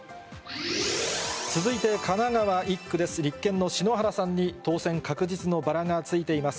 続いて神奈川１区です。